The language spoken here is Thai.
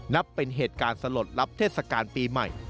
นับเป็นเหตุการณ์สลดลับเทศกาลปีใหม่